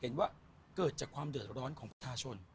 เห็นว่าเกิดจากความเดือดร้อนของประชาชน